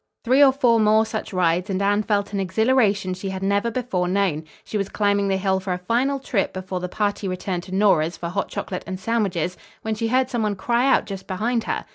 Three or four more such rides, and Anne felt an exhilaration she had never before known. She was climbing the hill for a final trip before the party returned to Nora's for hot chocolate and sandwiches, when she heard some one cry out just behind her.